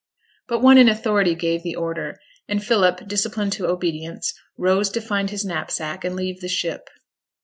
But one in authority gave the order; and Philip, disciplined to obedience, rose to find his knapsack and leave the ship.